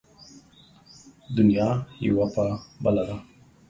دنيا يو په بله ده.